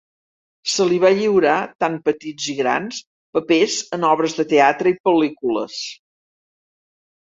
Se li va lliurar tant petits i grans papers en obres de teatre i pel·lícules.